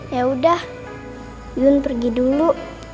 yaudah yun pergi dulu